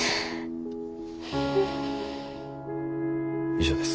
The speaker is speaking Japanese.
以上です。